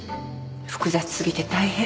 複雑すぎて大変。